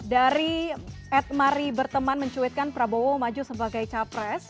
dari edmari berteman mencuitkan prabowo maju sebagai capres